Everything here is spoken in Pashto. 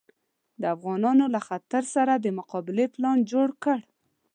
د افغانانو له خطر سره د مقابلې پلان جوړ کړ.